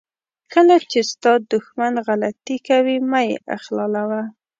کله چې ستا دښمن غلطي کوي مه یې اخلالوه.